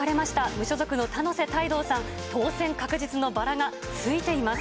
無所属の田野瀬太道さん、当選確実のバラがついています。